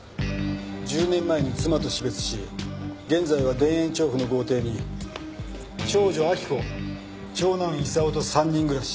１０年前に妻と死別し現在は田園調布の豪邸に長女明子長男功と３人暮らし。